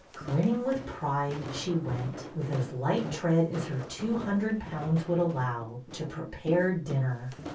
Grinning with pride, she went, with as light tread as her two hundred pounds would allow, to prepare dinner.